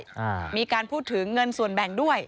อ่ามีการพูดถึงเงินส่วนแบ่งด้วย